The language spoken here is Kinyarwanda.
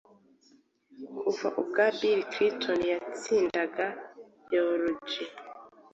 kuva ubwo Bill Clinton yatsindaga George